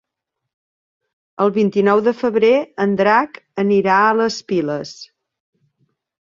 El vint-i-nou de febrer en Drac anirà a les Piles.